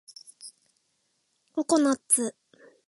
ココナッツ